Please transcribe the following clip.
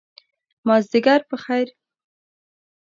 مازدیګر په خیر !